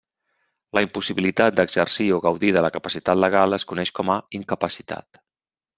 La impossibilitat d'exercir o gaudir de la capacitat legal es coneix com a incapacitat.